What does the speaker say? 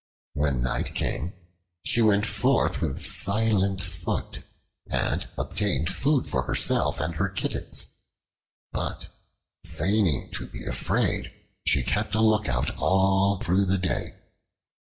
When night came she went forth with silent foot and obtained food for herself and her kittens, but feigning to be afraid, she kept a lookout all through the day.